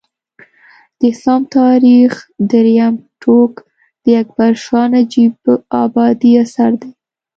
د اسلام تاریخ درېیم ټوک د اکبر شاه نجیب ابادي اثر دی